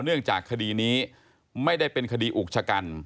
เนื่องจากคดีนี้ไม่ได้เป็นคดีอุกชะกัน